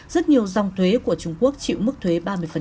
rất nhiều dòng thuế của trung quốc chịu mức thuế ba mươi